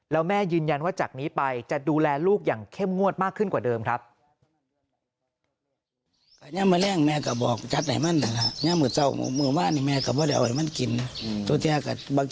แล้วแม่ยืนยันว่าจากนี้ไปจะดูแลลูกอย่างเข้มงวดมากขึ้นกว่าเดิมครับ